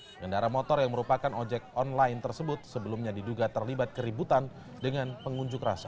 pengendara motor yang merupakan ojek online tersebut sebelumnya diduga terlibat keributan dengan pengunjuk rasa